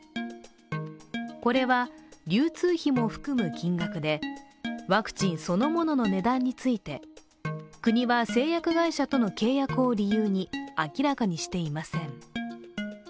これは流通費も含む金額でワクチンそのものの値段について国は製薬会社との契約を理由に明らかにしていません。